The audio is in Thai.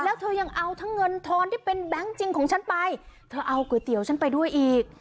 แล้วเธอยังเอาทั้งเงินทอนที่เป็นแบงค์จริงของฉันไปเธอเอาก๋วยเตี๋ยวฉันไปด้วยอีก